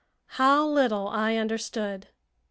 How little I understood!